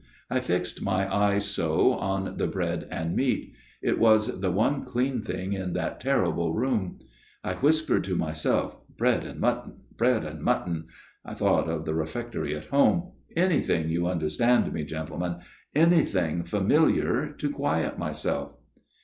I fixed my eyes so, on the bread and meat : it was the one clean thing in that terrible room. I whis pered to myself, * Bread and mutton, bread and mutton.' I thought of the refectory at home anything you understand me, gentlemen, anything familiar to quiet myself.